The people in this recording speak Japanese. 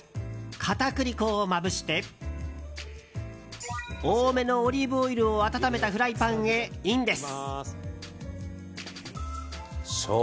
片栗粉をまぶして多めのオリーブオイルを温めたフライパンへ、インです。